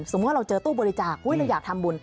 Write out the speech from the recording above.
สมมุติว่าเราเจอตู้บริจาควิ่งเราอยากทำบุญ